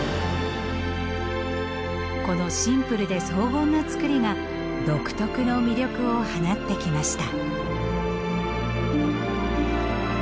このシンプルで荘厳なつくりが独特の魅力を放ってきました。